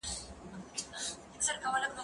کېدای سي مکتب بند وي؟!